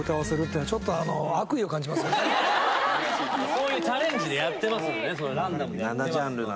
そういうチャレンジでやってますのでランダムで。